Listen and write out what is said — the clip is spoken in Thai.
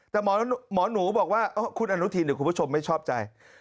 แต่หมอหนูบอกว่าคุณอนุทินเดี๋ยวคุณผู้ชมไม่ชอบใจ